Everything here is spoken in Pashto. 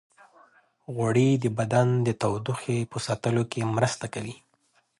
غوړې د بدن د تودوخې ساتلو کې مرسته کوي.